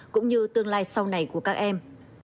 cũng như tương lai sau này của các em